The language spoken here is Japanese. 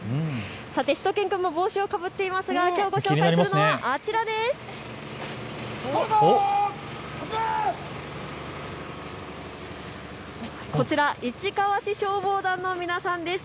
さて、しゅと犬くんも帽子をかぶっていますがきょうご紹介するのは、あちらです。